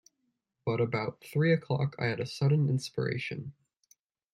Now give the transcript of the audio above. But about three o’clock I had a sudden inspiration.